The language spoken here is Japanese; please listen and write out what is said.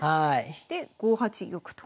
で５八玉と。